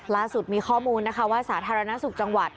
ล่าสุดมีข้อมูลนะคะว่าสาธารณสุขจังหวัด